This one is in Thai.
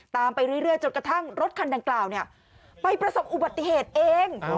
ไปเรื่อยจนกระทั่งรถคันดังกล่าวไปประสบอุบัติเหตุเอง